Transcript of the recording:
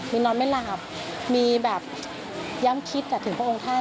มีนอนไม่หลับมีแบบย้ำคิดถึงพระองค์ท่าน